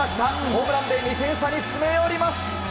ホームランで２点差に詰め寄ります。